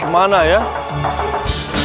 umm berbahaya etwas